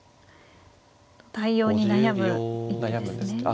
対応に悩む一手ですね。